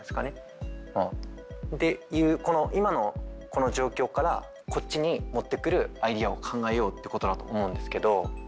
っていう今のこの状況からこっちに持ってくるアイデアを考えようってことだと思うんですけど。